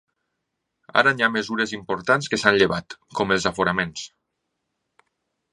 Ara hi ha mesures importants que s’han llevat, com els aforaments.